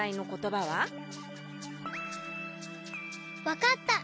わかった！